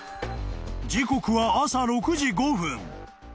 ［時刻は朝６時５分］